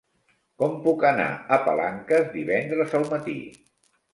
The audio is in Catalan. Com puc anar a Palanques divendres al matí?